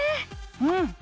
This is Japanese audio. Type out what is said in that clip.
うん。